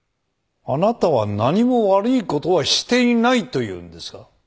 あなたは何も悪い事はしていないと言うんですか？